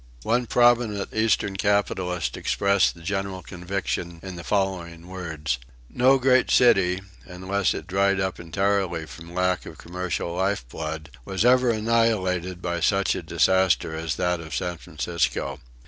One prominent Eastern capitalist expressed the general conviction in the following words: "No great city, unless it dried up entirely from lack of commercial life blood, was ever annihilated by such a disaster as that of San Francisco.